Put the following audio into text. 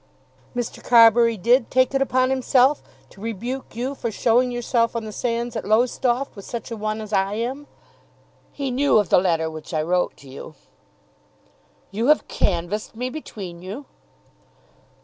"Mr. Carbury did take it upon himself to rebuke you for showing yourself on the sands at Lowestoft with such a one as I am?" "He knew of the letter which I wrote to you." "You have canvassed me between you?"